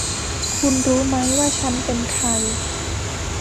คุณรู้ไหมว่าฉันเป็นใคร